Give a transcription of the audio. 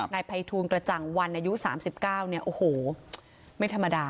นายภัยทูลกระจังวันอายุ๓๙เนี่ยโอ้โหไม่ธรรมดา